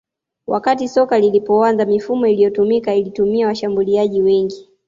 Wakati soka lilipoanza mifumo iliyotumika ilitumia washambuliaji wengi